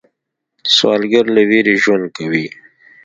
سوالګر له ویرې ژوند کوي